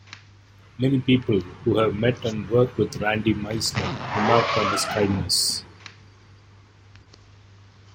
Many people who have met and worked with Randy Meisner remark on his kindness.